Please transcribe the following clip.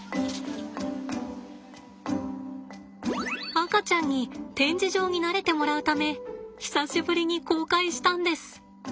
赤ちゃんに展示場に慣れてもらうため久しぶりに公開したんです。